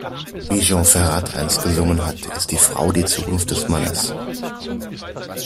Wie Jean Ferrat einst gesungen hat, ist die Frau die Zukunft des Mannes.